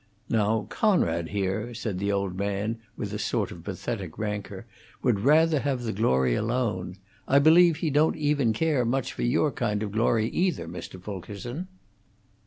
"Now, Conrad, here," said the old man, with a sort of pathetic rancor, "would rather have the glory alone. I believe he don't even care much for your kind of glory, either, Mr. Fulkerson."